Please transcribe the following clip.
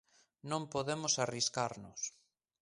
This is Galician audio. Non podemos arriscarnos.